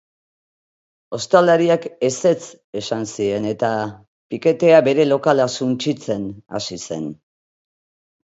Ostalariak ezetz esan zien eta piketea bere lokala sutsitzen hasi zen.